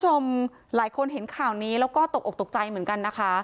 คุณผู้ชมหลายคนเห็นข่าวนี้แล้วก็ตกออกตกใจเหมือนกันนะคะ